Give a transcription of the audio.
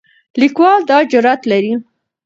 لیکوال دا جرئت لري.